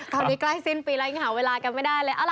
ตอนนี้ใกล้สิ้นปีแล้วยังหาเวลากันไม่ได้เลย